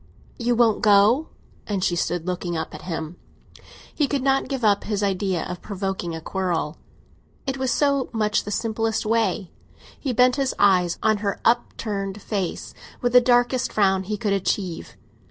"You won't go?" And she stood looking up at him. He could not give up his idea of provoking a quarrel; it was so much the simplest way! He bent his eyes on her upturned face, with the darkest frown he could achieve.